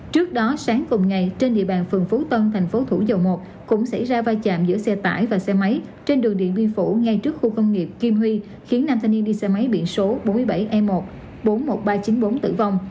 trước đó sáng cùng ngày trên địa bàn phường phú tân tp thủ dầu một cũng xảy ra vai chạm giữa xe tải và xe máy trên đường điện biên phủ ngay trước khu công nghiệp kim huy khiến nam thanh niên đi xe máy biển số bốn mươi bảy e một bốn mươi một nghìn ba trăm chín mươi bốn tử vong